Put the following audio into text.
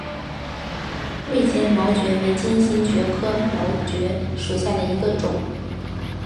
锐尖毛蕨为金星蕨科毛蕨属下的一个种。